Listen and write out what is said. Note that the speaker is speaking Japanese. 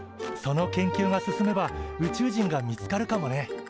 その研究が進めば宇宙人が見つかるかもね。